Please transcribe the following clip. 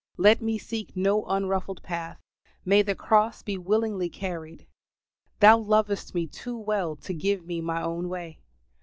Let me seek no unruffled path; may the cross be willingly carried. Thou lovest me too well to give me my own way.